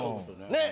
ねっ？